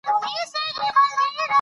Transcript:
د تېرو تېروتنو څخه عبرت واخلئ.